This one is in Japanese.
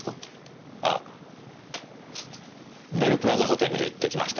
ああベルプラザホテルへ行ってきました。